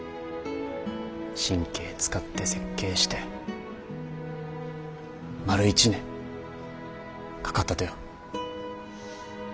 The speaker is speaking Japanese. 神経遣って設計して丸１年かかったとよ。